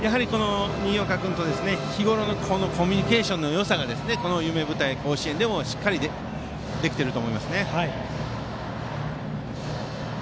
新岡君と日ごろのコミュニケーションのよさがこの夢舞台、甲子園でもしっかりできていると思いますね。